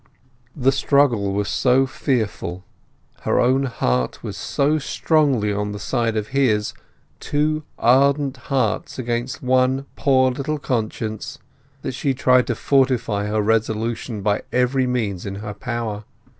The struggle was so fearful; her own heart was so strongly on the side of his—two ardent hearts against one poor little conscience—that she tried to fortify her resolution by every means in her power.